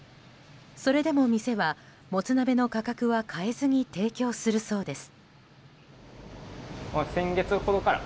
それでも店はもつ鍋の価格は変えずに提供するそうです。